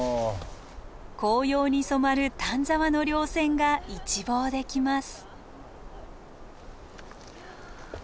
紅葉に染まる丹沢の稜線が一望できます。